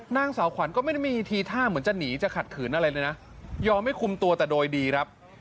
นางสาวขวัญก็ไม่ได้มีทีท่าเหมือนจะหนีจะขัดขืนอะไรเลยนะยอมให้คุมตัวแต่โดยดีครับ